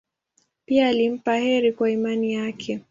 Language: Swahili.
Pia alimpa heri kwa imani yake.